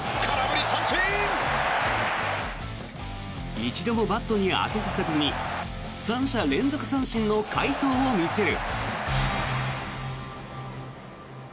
一度もバットに当てさせずに３者連続三振の快投を見せる。